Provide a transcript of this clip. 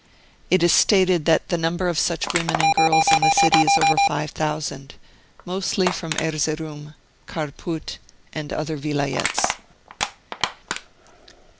It is stated that the number of such women and girls in the city is ovei 5,000, mostly from Erzeroum, Kharpout and other Vilayets.